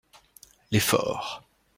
Les forts.